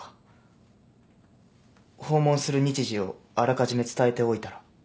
訪問する日時をあらかじめ伝えておいたら。